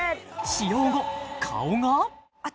使用後顔が私